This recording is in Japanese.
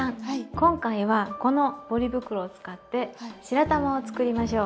今回はこのポリ袋を使って白玉を作りましょう。